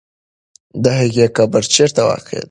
د هغې قبر چېرته واقع دی؟